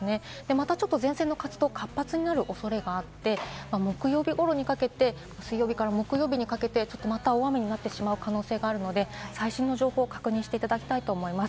またちょっと前線の活動、活発になる恐れがあって、水曜日から木曜日にかけて、まとまった大雨になる可能性があるので、最新の情報を確認していただきたいと思います。